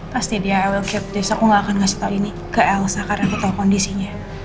pasti dia akan tetap disini aku gak akan kasih tau ini ke elsa karena aku tau kondisinya